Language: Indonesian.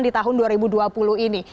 di tahun dua ribu dua puluh ini